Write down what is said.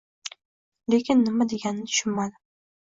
Lekin nima deganini tushunmadim